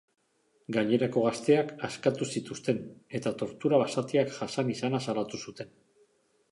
Gainerako gazteak askatu zituzten, eta tortura basatiak jasan izana salatu zuten.